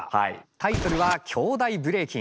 タイトルは「兄弟ブレイキン！！」。